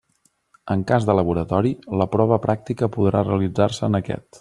En cas de laboratori, la prova pràctica podrà realitzar-se en aquest.